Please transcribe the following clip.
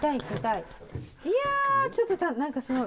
いやちょっと何かすごい。